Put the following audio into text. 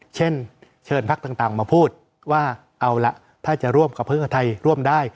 เช่นเชิญพักต่างมาพูดว่าเอาล่ะถ้าจะร่วมกับพึ่งกับไทยร่วมได้